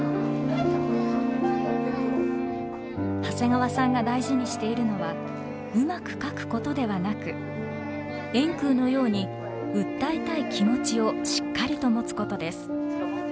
長谷川さんが大事にしているのはうまく描くことではなく円空のように訴えたい気持ちをしっかりと持つことです。